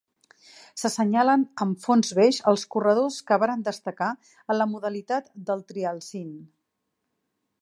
S'assenyalen amb fons beix els corredors que varen destacar en la modalitat del trialsín.